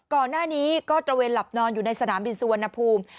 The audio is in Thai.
ก่อนหน้านี้ก็ตระเวนหลับนอนอยู่ในสนามบินสุวรรณภูมิ